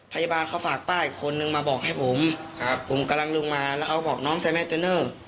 พยาบาลเขาฝากป้าอีกคนนึงมาบอกให้ผมครับผมผมกำลังลงมาแล้วเขาบอกน้องใส่แม่เตอร์เนอร์